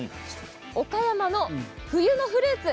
岡山の冬のフルーツ